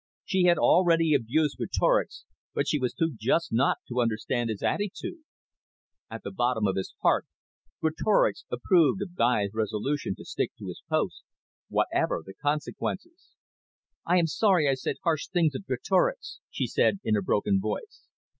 She had already abused Greatorex, but she was too just not to understand his attitude. At the bottom of his heart, Greatorex approved of Guy's resolution to stick to his post, whatever the consequences. "I am sorry I said harsh things of Greatorex," she said in a broken voice.